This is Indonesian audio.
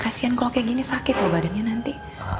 kasian kalau kayak gini sakit loh badannya nanti